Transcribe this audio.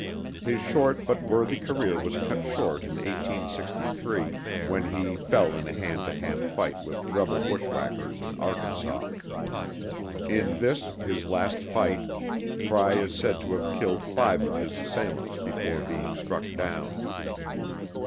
His short but worthy career was cut short in 1863 when he fell in a hand to hand fight with rebel bushwhackers in Arkansas. In this, his last fight, Frey is said to have killed five of his assailants before being struck down.